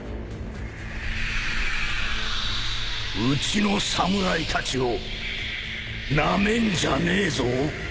うちの侍たちをなめんじゃねえぞ